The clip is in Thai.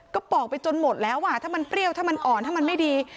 ก็ปอกไปจนหมดแล้วอ่ะถ้ามันเปรี้ยวถ้ามันอ่อนถ้ามันไม่ดี